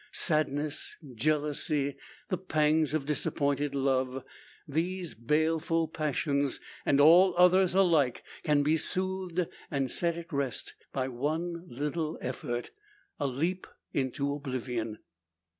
Sadness, jealousy, the pangs of disappointed love these baleful passions, and all others alike, can be soothed, and set at rest, by one little effort a leap into oblivion!